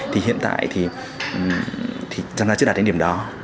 thì hiện tại thì giamgia chưa đạt đến điểm đó